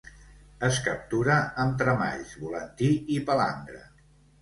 Es captura amb tremalls, volantí i palangre.